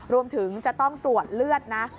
รวมถึงจะต้องตรวจเลือดนะ